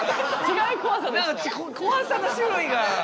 何か怖さの種類が。